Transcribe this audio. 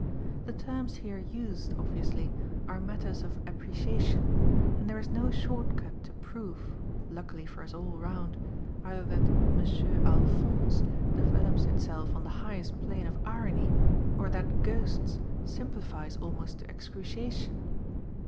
The terms here used, obviously, are matters of appreciation, and there is no short cut to proof (luckily for us all round) either that "Monsieur Alphonse" develops itself on the highest plane of irony or that "Ghosts" simplifies almost to excruciation.